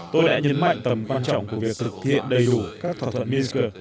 tôi đã nhấn mạnh tầm quan trọng của việc thực hiện đầy đủ các thỏa thuận minger